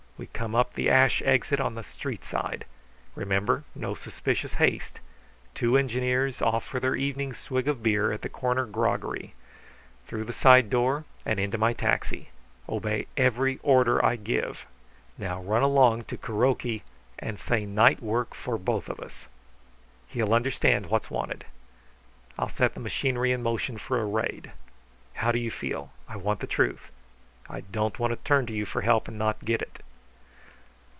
We come up the ash exit on the street side. Remember, no suspicious haste. Two engineers off for their evening swig of beer at the corner groggery. Through the side door there, and into my taxi. Obey every order I give. Now run along to Kuroki and say night work for both of us. He'll understand what's wanted. I'll set the machinery in motion for a raid. How do you feel? I want the truth. I don't want to turn to you for help and not get it."